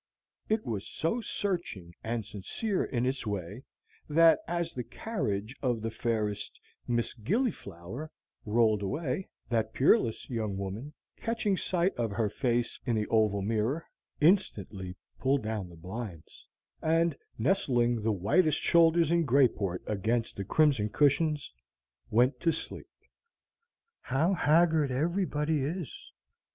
It was so searching and sincere in its way, that, as the carriage of the fairest Miss Gillyflower rolled away, that peerless young woman, catching sight of her face in the oval mirror, instantly pulled down the blinds, and, nestling the whitest shoulders in Greyport against the crimson cushions, went to sleep. "How haggard everybody is!